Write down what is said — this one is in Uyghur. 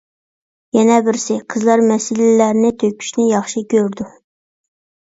يەنە بىرسى، قىزلار مەسىلىلەرنى تۆكۈشنى ياخشى كۆرىدۇ.